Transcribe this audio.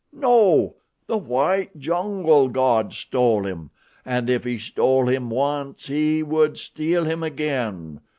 No, the white jungle god stole him, and if he stole him once he would steal him again.